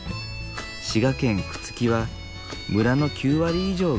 滋賀県朽木は村の９割以上が山。